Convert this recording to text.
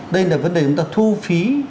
đây là vấn đề chúng ta thu phí